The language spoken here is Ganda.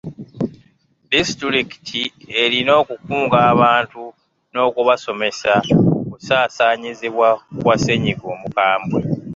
Disitulikiti erina okukunga abantu n'okubasomesa ku kusaasaanyizibwa kwa ssennyiga omukambwe.